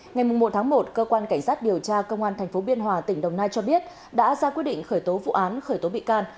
ngày một tháng một cơ quan cảnh sát điều tra công an tp biên hòa tỉnh đồng nai cho biết đã ra quyết định khởi tố vụ án khởi tố bị can